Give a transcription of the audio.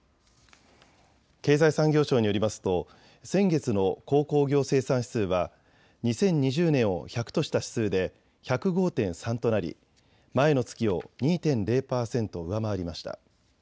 経済産業省によりますと先月の鉱工業生産指数は２０２０年を１００とした指数で１０５．３となり前の月を２．０％上回りました。